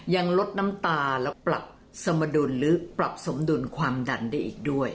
ยังลดน้ำตาและปรับสมดุลหรือปรับสมดุลความดันได้อีกด้วย